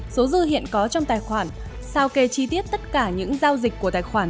số dư hiện có trong tài khoản sao kê chi tiết tất cả những giao dịch của tài khoản